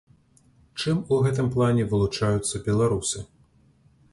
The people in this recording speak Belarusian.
Чым у гэтым плане вылучаюцца беларусы?